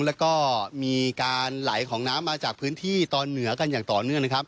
แล้วก็มีการไหลของน้ำมาจากพื้นที่ตอนเหนือกันอย่างต่อเนื่องนะครับ